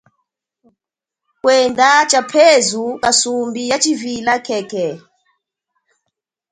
Kwenda tshaphezu kasumbi yatshivila khekhe.